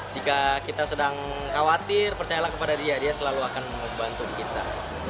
jika kita sedang khawatir percayalah kepada dia dia selalu akan membantu kita